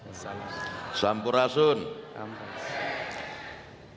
assalamu'alaikum warahmatullahi wabarakatuh